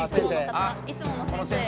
「あっいつもの先生」